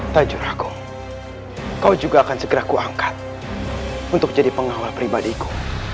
tajur aku kau juga akan segera kuangkat untuk jadi pengawal pribadi ku